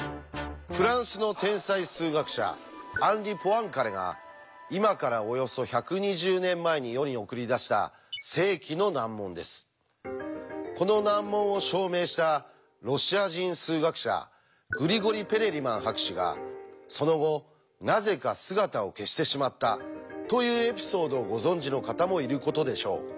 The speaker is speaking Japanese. フランスの天才数学者アンリ・ポアンカレが今からおよそ１２０年前に世に送り出したこの難問を証明したロシア人数学者グリゴリ・ペレリマン博士がその後なぜか姿を消してしまったというエピソードをご存じの方もいることでしょう。